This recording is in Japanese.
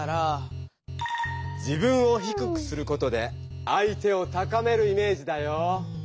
自分を低くすることで相手を高めるイメージだよ。